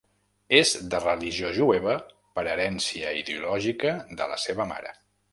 És de religió jueva per herència ideològica de la seva mare.